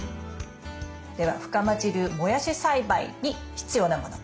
では深町流もやし栽培に必要なもの。